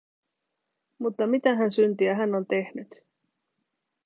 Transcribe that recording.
Mutta mitähän syntiä hän on tehnyt?